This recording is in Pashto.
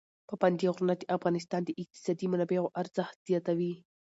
پابندي غرونه د افغانستان د اقتصادي منابعو ارزښت زیاتوي.